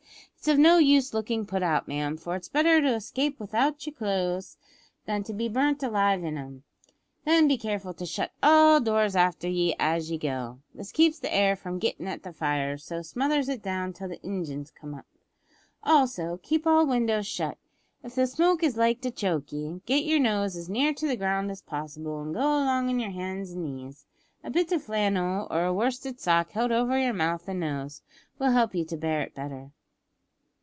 It's of no use lookin' put out, ma'am; for it's better to escape without yer clo'es than to be burnt alive in 'em. Then be careful to shut all doors after ye as ye go. This keeps the air from gittin' at the fire, and so smothers it down till the ingines come up. Also keep all windows shut. If the smoke is like to choke ye, git yer nose as near the ground as possible, an' go along on yer hands and knees. A bit o' flannel or a worsted sock held over yer mouth an' nose, will help you to bear it better.